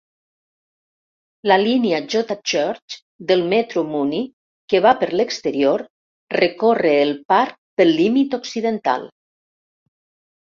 La línia J-Church del metro Muni, que va per l'exterior, recorre el parc pel límit occidental.